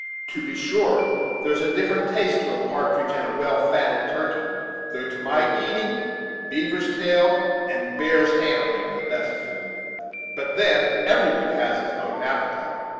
'to be sure, there is a different taste to a partridge and a well fatted turkey; though, to my eating, beaver's tail and bear's ham make the best of food. But then every one has his own appetite.